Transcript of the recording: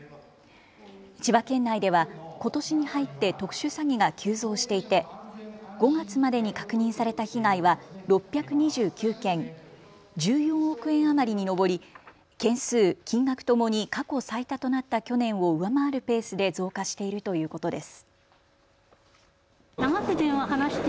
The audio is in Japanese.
千葉県内ではことしに入って特殊詐欺が急増していて５月までに確認された被害は６２９件、１４億円余りに上り件数、金額ともに過去最多となった去年を上回るペースで増加しているということです。